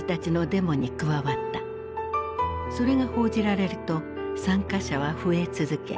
それが報じられると参加者は増え続け